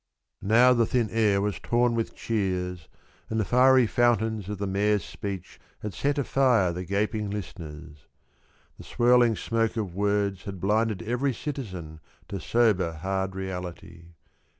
Now the thin air was torn with cheers And the fiery fountains of the mayor's speech Had set afire the gaping listeners ; The swirling smoke of words Had blinded every citizen To sober hard reality.